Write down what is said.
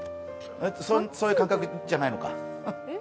そういう感覚じゃないのか？